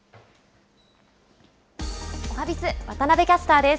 おはＢｉｚ、渡部キャスターです。